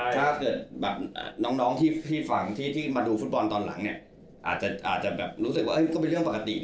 ถ้าน้องที่ฟังที่มาดูฟุตบอลตอนหลังอาจจะรู้สึกว่ามันก็เป็นเรื่องปกติ